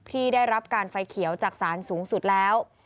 ที่ได้รับการไฟเขียวจากสารสูงสุดแล้ว